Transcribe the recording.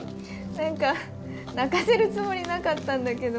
何か泣かせるつもりなかったんだけど。